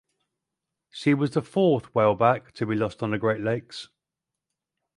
She was the fourth whaleback to be lost on the Great Lakes.